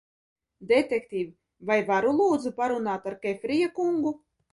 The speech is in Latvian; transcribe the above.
Detektīv, vai varu, lūdzu, parunāt ar Kefrija kungu?